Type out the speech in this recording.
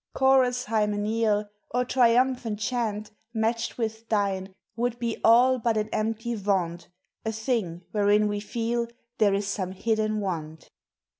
Chorus hymeneal, Or triumphant chant, Matched w r ith thine, would be all But an empty vaunt, — A thing wherein we feel there is some hidden want.